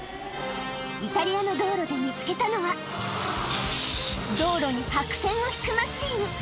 イタリアの道路で見つけたのは、道路に白線を引くマシン。